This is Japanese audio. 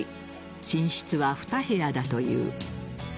寝室は２部屋だという。